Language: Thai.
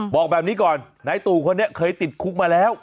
บอกแบบนี้ก่อนนายตู่คนนี้เคยติดคุกมาแล้ว